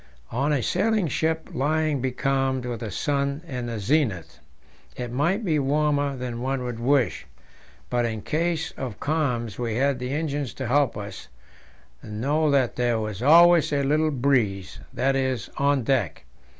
On a sailing ship, lying becalmed with the sun in the zenith, it might be warmer than one would wish; but in case of calms we had the engine to help us, so that there was always a little breeze that is, on deck.